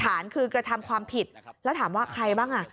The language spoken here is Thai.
ฐานคือกระทำความผิดแล้วถามว่าใครบ้างอ่ะ